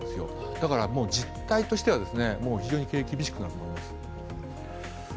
だから実態としては非常に経営が厳しくなると思います。